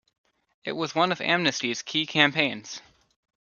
It is one of Amnesty's key campaigns.